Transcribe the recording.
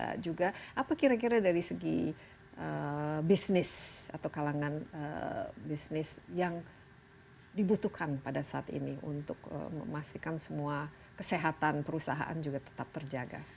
jadi ini juga apa kira kira dari segi bisnis atau kalangan bisnis yang dibutuhkan pada saat ini untuk memastikan semua kesehatan perusahaan juga tetap terjaga